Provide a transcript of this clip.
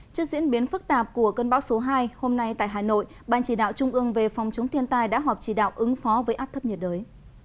trước diễn biến phức tạp của cơn bão số hai hôm nay tại hà nội ban chỉ đạo trung ương về phòng chống thiên tai đã họp chỉ đạo ứng phó với áp thấp nhiệt đới